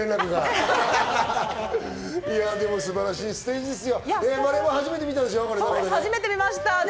でも素晴らしいステージですよ。